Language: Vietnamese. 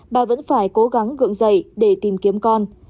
bà vẫn phải cố gắng gượng dậy để tìm kiếm con